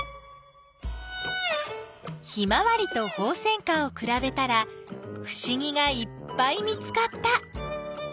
ヒマワリとホウセンカをくらべたらふしぎがいっぱい見つかった。